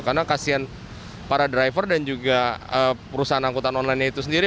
karena kasihan para driver dan juga perusahaan angkutan online itu sendiri